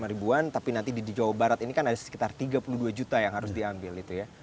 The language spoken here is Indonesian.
lima ribuan tapi nanti di jawa barat ini kan ada sekitar tiga puluh dua juta yang harus diambil itu ya